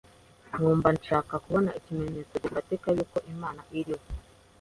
nkumva nshaka kubona ikimenyetso gifatika yuko Imana iriho.